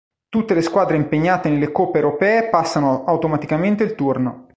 Tutte le squadre impegnate nelle coppe europee passano automaticamente il turno.